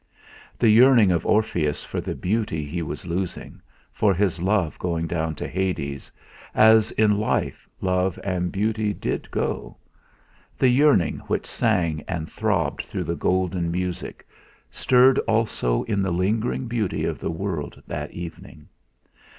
The yearning of Orpheus for the beauty he was losing, for his love going down to Hades, as in life love and beauty did go the yearning which sang and throbbed through the golden music, stirred also in the lingering beauty of the world that evening.